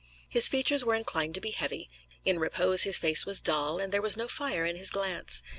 His features were inclined to be heavy; in repose his face was dull, and there was no fire in his glance.